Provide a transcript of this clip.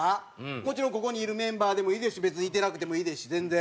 もちろんここにいるメンバーでもいいですし別にいてなくてもいいですし全然。